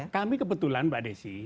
kami kebetulan mbak desy